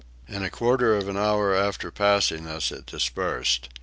In a quarter of an hour after passing us it dispersed.